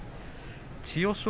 千代翔